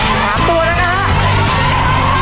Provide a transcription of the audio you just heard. มาลูกไป